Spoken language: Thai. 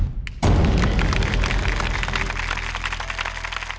แล้วกันนะครับ